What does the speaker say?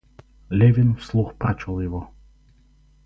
Левин вслух прочел его.